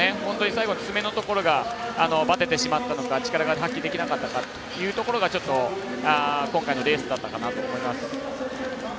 最後、詰めのところがばててしまったのか力が発揮できなかったかというところがちょっと今回のレースだったかなと思います。